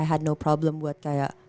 i had no problem buat kayak